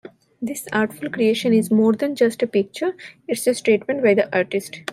This artful creation is more than just a picture, it's a statement by the artist.